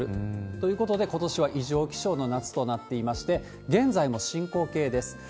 ということで、ことしは異常気象の夏となっていまして、現在も進行形です。